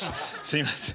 すいません。